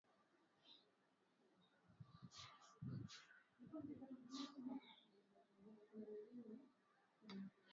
Vikosi vya Marekani vilivyopewa jukumu la kukabiliana na kundi la kigaidi la al-Shabab havitalazimika tena kusafiri hadi Somalia kutoka nchi jirani